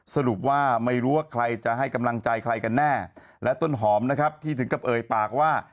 สรุปว่าไม่รู้ว่าใครจะให้กำลังใจใครกันแน่และต้นหอมนะครับที่ถึงกับเอ่ยปากว่า